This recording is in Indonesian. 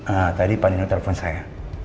ah tadi pak nino telepon saya